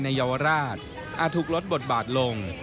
เยาวราชอาจถูกลดบทบาทลง